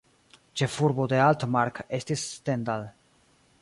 Ĉefurbo de Altmark estis Stendal.